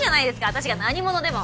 私が何者でも。